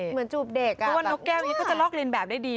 เหมือนจูบเด็กน่ะแบบนั้นทุกคนถ้าวันนกแก้วที่นี่ก็จะลอกรีนแบบได้ดี